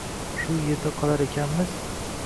Shu yerda qolar ekanmiz